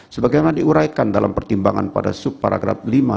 sebagaimana diuraikan dalam pertimbangan pada subparagraf lima enam dua dan lima enam tiga